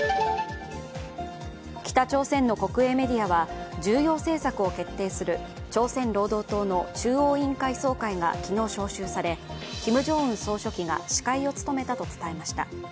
北朝鮮の国営メディアは重要政策を決定する朝鮮労働党の中央委員会総会が昨日招集されキム・ジョンウン総書記が司会を務めたと伝えました。